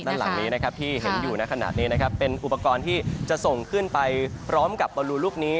นั่นหลังนี้ที่เห็นอยู่ในขณะนี้เป็นอุปกรณ์ที่จะส่งขึ้นไปพร้อมกับบรูลุพนี้